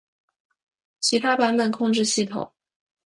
其他版本控制系统